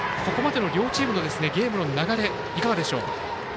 ここまでの両チームのゲームの流れはいかがでしょう？